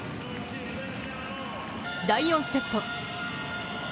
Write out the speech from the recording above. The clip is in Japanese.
第４セット。